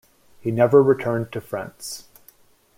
He never returned to France.